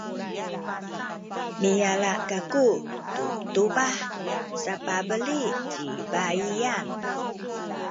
miyala kaku tu tubah sapabeli ci baiyan.